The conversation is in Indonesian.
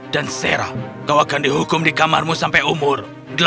dan sarah kau akan dihukum di kamarmu sampai umur delapan puluh